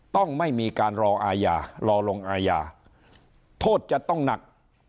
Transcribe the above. ต้องไม่มีการรออาญารอลงอาญาโทษจะต้องหนัก